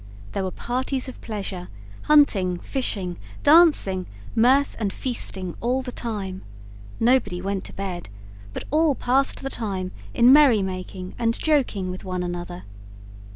There were parties of pleasure, hunting, fishing, dancing, mirth, and feasting all the time. Nobody went to bed, but all passed the time in merry making and joking with one another.